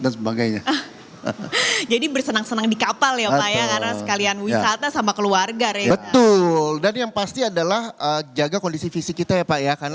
apa yang udah dipersiapkan